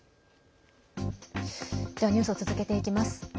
ニュースを続けていきます。